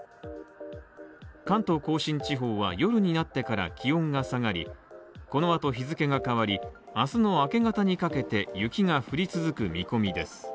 関東甲信地方は、夜になってから気温が下がりこのあと日付が変わり、明日の明け方にかけて雪が降り続く見込みです。